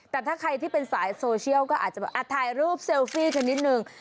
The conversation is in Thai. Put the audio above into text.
แต่ถ้าใครที่เป็นสายโซเชียลก็อาจจะแบบถ่ายรูปเซลฟี่กันนิดนึง